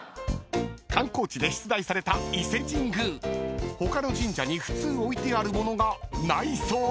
［観光地で出題された伊勢神宮］［他の神社に普通置いてあるものがないそうです］